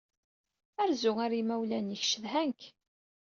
Rzu ɣer imawlan-ik, ccedhan-k.